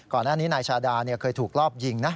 ก่อนหน้านี้นายชาดาเคยถูกรอบยิงนะ